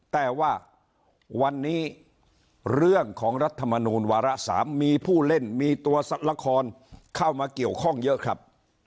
แต่ว่าวันนี้เรื่องของรัฐมนูลวาระ๓มีผู้เล่นมีตัวละครเข้ามาเกี่ยวข้องเยอะครับ